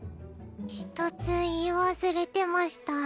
一つ言い忘れてマシタ。